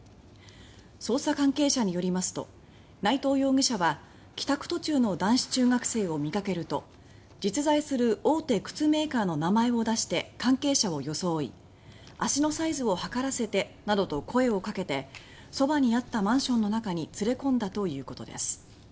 捜査関係者によりますと内藤容疑者は帰宅途中の男子中学生を見かけると実在する大手靴メーカーの名前を出して関係者を装い足のサイズを測らせてなどと声をかけてそばにあったマンションの中に連れ込んだということです。